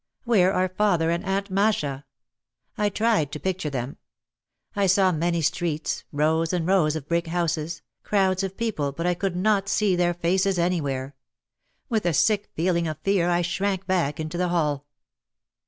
Where are father and Aunt Masha ?" I tried to picture them. I saw many streets, rows and rows of brick houses, crowds of people but I could not see their faces anywhere. With a sick feeling of fear I shrank back into the hall.